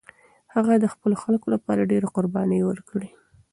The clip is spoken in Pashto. هغه د خپلو خلکو لپاره ډېرې قربانۍ ورکړې.